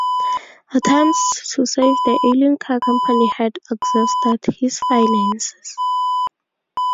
Attempts to save the ailing car company had exhausted his finances.